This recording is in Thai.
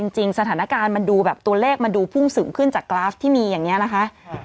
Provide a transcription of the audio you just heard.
สถานการณ์มันดูแบบตัวเลขมันดูพุ่งสูงขึ้นจากกราฟที่มีอย่างนี้นะคะ